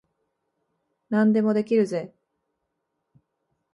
何でもできるぜ。